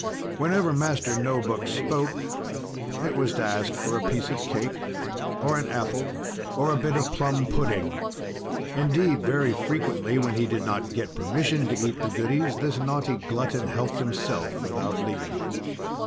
Whenever Master No Book spoke, it was to ask for a piece of cake, or an apple, or a bit of plum pudding. Indeed, very frequently when he did not get permission to eat the goodies, this naughty glutton helped himself without leave.